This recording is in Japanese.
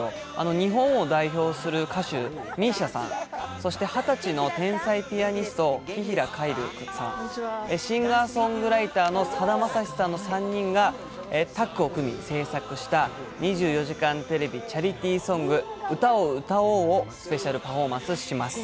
日本を代表する歌手、ＭＩＳＩＡさん、そして２０歳の天才ピアニスト、きひらかいるさん、シンガーソングライターのさだまさしさんの３人がタッグを組み、制作した２４時間テレビチャリティーソング、歌を歌おうをスペシャルパフォーマンスします。